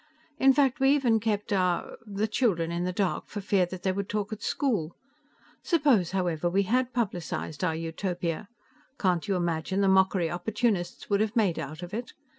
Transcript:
In fact, we even kept our ... the children in the dark for fear that they would talk at school. Suppose, however, we had publicized our utopia. Can't you imagine the mockery opportunists would have made out of it?